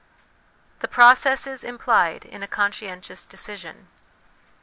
The Processes implied in a ' Conscientious ' Decision.